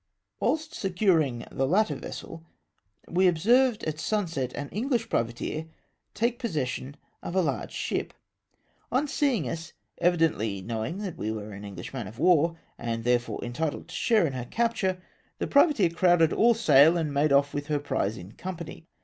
Whilst securing the latter vessel, we observed at sunset an Enghsh privateer take possession of a large 174 ARRIVAL OF THE PRIZES. sliip. On seeing us — evidently knowing that we were an Englisli man of war, and therefore entitled to share in her capture — the privateer crowded all sail and made off with her prize in company.